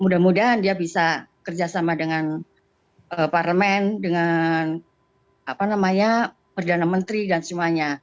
mudah mudahan dia bisa kerjasama dengan parlemen dengan perdana menteri dan semuanya